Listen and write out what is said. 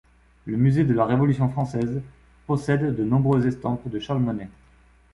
Le musée de la Révolution française possède de nombreuses estampes de Charles Monnet.